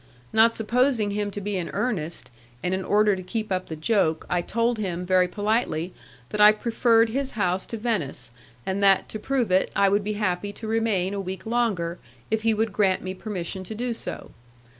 Not supposing him to be in earnest, and in order to keep up the joke, I told him very politely that I preferred his house to Venice, and that, to prove it, I would be happy to remain a week longer, if he would grant me permission to do so.